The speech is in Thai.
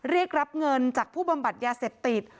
เรียกรับเงินจากผู้บำบัดยาเสพติด